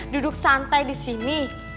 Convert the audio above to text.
duduk santai di sini